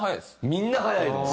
みんな早いです。